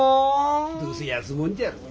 どうせ安物じゃろうが。